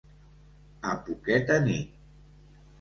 A poqueta nit.